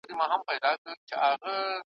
ستا په قسمت کښلې ترانه یمه شرنګېږمه,